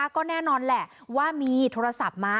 ก็แน่นอนแหละว่ามีโทรศัพท์มา